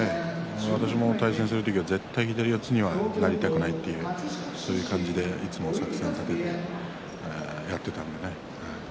私も対戦する時は絶対左四つにはなりたくないという感じでいつも作戦を立ててやっていたのでね。